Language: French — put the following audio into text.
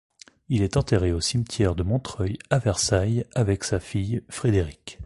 Il est enterré au cimetière de Montreuil à Versailles, avec sa fille Frédérique.